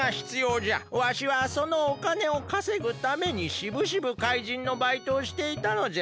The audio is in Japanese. わしはそのおかねをかせぐためにしぶしぶかいじんのバイトをしていたのじゃ。